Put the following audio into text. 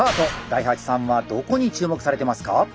大八さんはどこに注目されてますか？